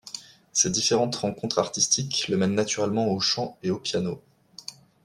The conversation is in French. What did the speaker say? Ses différentes rencontres artistiques le mènent naturellement au chant et au piano.